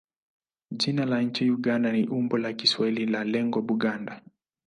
Jina la nchi Uganda ni umbo la Kiswahili la neno Buganda.